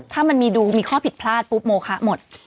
ถ้ามันมีดูมีข้อผิดพลาดปุ๊บโมคะหมด